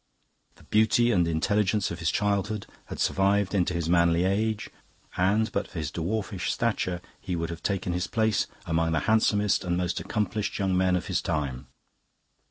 The beauty and intelligence of his childhood had survived into his manly age, and, but for his dwarfish stature, he would have taken his place among the handsomest and most accomplished young men of his time.